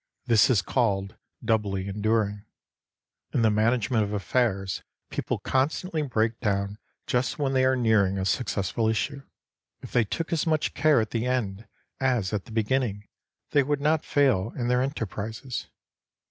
This is called doubly enduring. In the management of affairs, people constantly break down just when they are nearing a suc cessful issue. If they took as much care at the end as at the beginning, they would not fail in their enterprises.